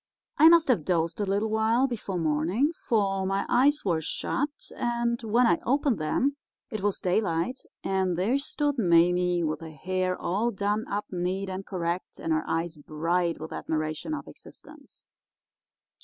"I must have dozed a little while before morning, for my eyes were shut, and when I opened them it was daylight, and there stood Mame with her hair all done up neat and correct, and her eyes bright with admiration of existence.